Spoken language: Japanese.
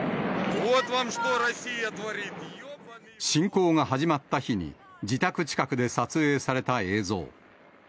侵攻が始まった日に、自宅近くで撮影された映像。